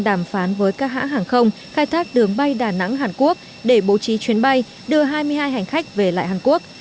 đàm phán với các hãng hàng không khai thác đường bay đà nẵng hàn quốc để bố trí chuyến bay đưa hai mươi hai hành khách về lại hàn quốc